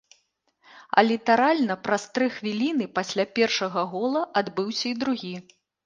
А літаральна праз тры хвіліны пасля першага гола адбыўся і другі.